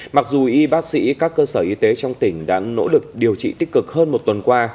mặc dù y bác sĩ các cơ sở y tế trong tỉnh đã nỗ lực điều trị tích cực hơn một tuần qua